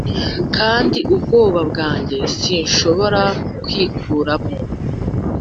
kandi ubwoba bwanjye, sinshobora kwikuramo--